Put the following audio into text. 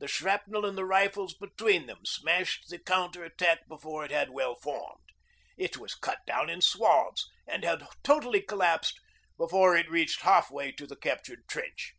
The shrapnel and the rifles between them smashed the counter attack before it had well formed. It was cut down in swathes and had totally collapsed before it reached half way to the captured trench.